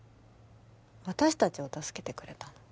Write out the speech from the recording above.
私達を助けてくれたの